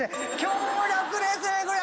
強力ですねこれ。